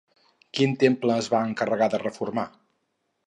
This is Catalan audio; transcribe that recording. Quin temple es van encarregar de reformar?